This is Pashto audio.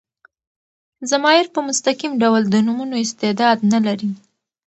ضمایر په مستقیم ډول د نومونو استعداد نه لري.